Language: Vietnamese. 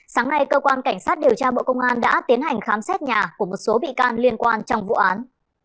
sáng nay cơ quan cảnh sát điều tra bộ công an đã tiến hành khám xét nhà của một số bị can liên quan trong vụ án